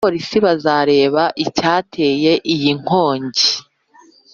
abapolisi bazareba icyateye iyi nkongi.